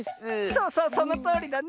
そうそうそのとおりだね。